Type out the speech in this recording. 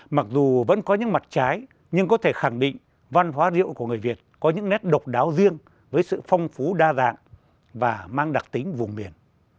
mặc dù vẫn có những mặt trái nhưng có thể khẳng định văn hóa rượu của người việt có những nét độc đáo riêng với sự phong phú đa dạng và mang đặc tính vùng biển